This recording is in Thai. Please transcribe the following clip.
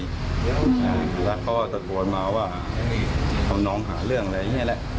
เสร็จค้อจัดโทษมาว่าข้ามน้องหาเรื่องอะไรเงี้ยแหละ